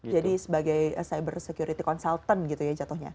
jadi sebagai cyber security consultant gitu ya jatuhnya